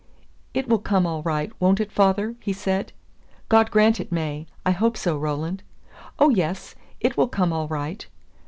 "It will come all right, won't it, father?" he said. "God grant it may! I hope so, Roland." "Oh, yes, it will come all right."